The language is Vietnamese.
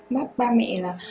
bắt ba mẹ là